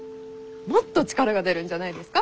もっと力が出るんじゃないですか？